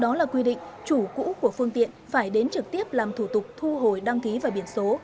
đó là quy định chủ cũ của phương tiện phải đến trực tiếp làm thủ tục thu hồi đăng ký và biển số